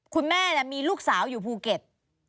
คุณแม่มีลูกสาวอยู่ภูเก็ต